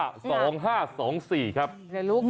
เดี๋ยวรู้กัน